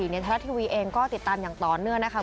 ในไทยรัฐทีวีเองก็ติดตามอย่างต่อเนื่องนะคะ